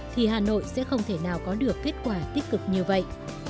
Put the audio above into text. thì hà nội sẽ không thể nào có được kết quả tích cực như vậy